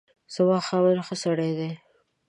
زما خاوند ښه سړی دی